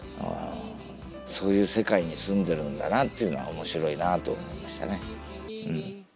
そういう世界に住んでるんだなっていうのは面白いなと思いましたね。